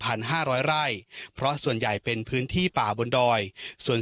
ห้าร้อยไร่เพราะส่วนใหญ่เป็นพื้นที่ป่าบนดอยส่วน